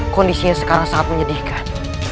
kondisinya sekarang sangat menyedihkan